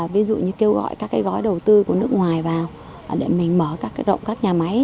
ví dụ như kêu gọi các cái gói đầu tư của nước ngoài vào để mình mở các cái rộng các nhà máy